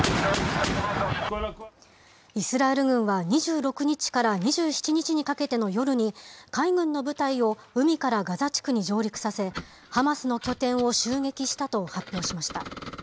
イスラエル軍は２６日から２７日にかけての夜に、海軍の部隊を海からガザ地区に上陸させ、ハマスの拠点を襲撃したと発表しました。